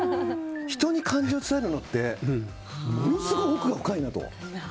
人に漢字を伝えるのってものすごく奥が深いなと。